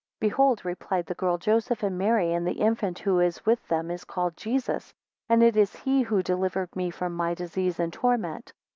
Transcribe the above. Behold, replied the girl, Joseph and Mary; and the infant who is, with them is called Jesus; and it is he who delivered me from my disease and torment.